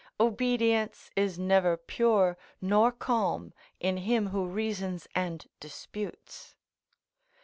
Obedience is never pure nor calm in him who reasons and disputes.